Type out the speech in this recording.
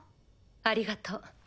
ありがと。